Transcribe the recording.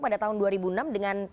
pada tahun dua ribu enam dengan